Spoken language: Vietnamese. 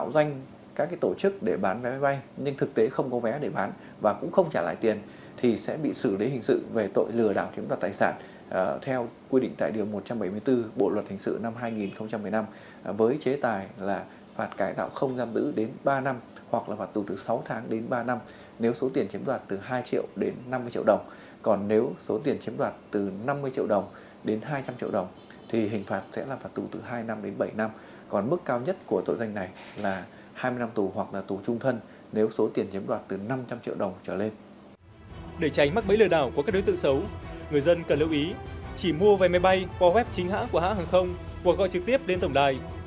để tránh mắc bẫy lừa đảo của các đối tượng xấu người dân cần lưu ý chỉ mua vé máy bay qua web chính hãng của hãng hàng không và gọi trực tiếp đến tổng đài